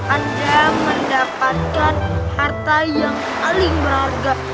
anda mendapatkan harta yang paling berharga